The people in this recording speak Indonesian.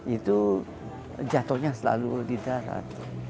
itu jatuhnya selalu di darat